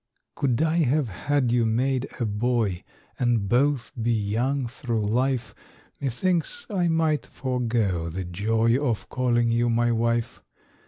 Could I have had you made a boy, And both be young through life, Methinks I might forgo the joy Of calling you my wife.